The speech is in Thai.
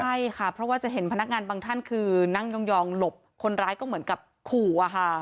ใช่ค่ะเพราะว่าจะเห็นพนักงานบางท่านคือนั่งยองหลบคนร้ายก็เหมือนกับขู่อะค่ะ